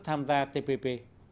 tham gia tpp